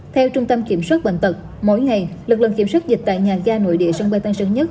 theo trung tâm kiểm soát bệnh tật mỗi ngày lực lượng kiểm soát dịch tại nhà ga nội địa sân bay tân sơn nhất